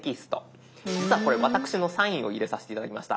実はこれ私のサインを入れさせて頂きました。